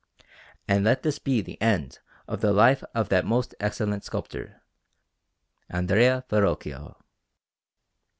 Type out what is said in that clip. And let this be the end of the Life of that most excellent sculptor, Andrea Verrocchio.